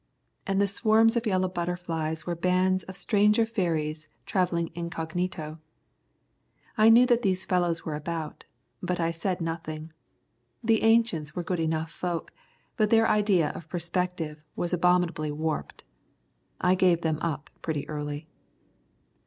And the swarms of yellow butterflies were bands of stranger fairies travelling incognito. I knew what these fellows were about, but I said nothing. The ancients were good enough folk, but their idea of perspective was abominably warped. I gave them up pretty early.